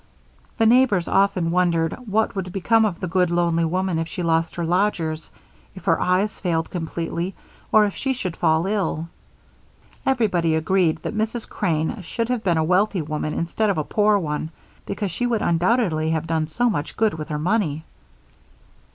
The neighbors often wondered what would become of the good, lonely woman if she lost her lodgers, if her eyes failed completely, or if she should fall ill. Everybody agreed that Mrs. Crane should have been a wealthy woman instead of a poor one, because she would undoubtedly have done so much good with her money.